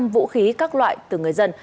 vũ khí các loại từ người dân